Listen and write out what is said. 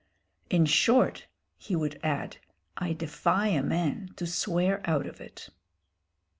"In short," he would add, "I defy a man to swear out of it."